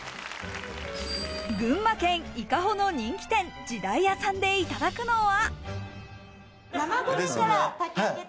群馬県伊香保の人気店、時代屋さんでいただくのは。